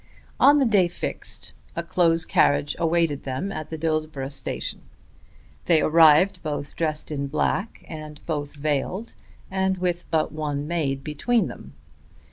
On the day fixed a close carriage awaited them at the Dillsborough Station. They arrived both dressed in black and both veiled, and with but one maid between them.